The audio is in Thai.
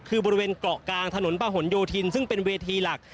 คือบริเวณเกาะกลางถนนประหลโยธินซึ่งเป็นเวทีหลัก